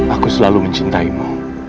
aku selalu mencintaimu